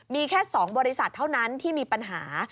มีแค่๒บริษัทเท่านั้นที่มีปัญหา